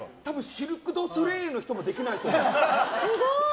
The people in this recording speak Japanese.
シルク・ドゥ・ソレイユの人もできないと思う。